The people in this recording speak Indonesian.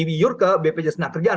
iur ke bpjs ketenagakerjaan